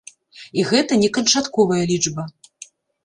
І гэта не канчатковая лічба.